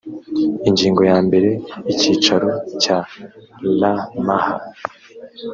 ingingo yambere icyicaro cya rmh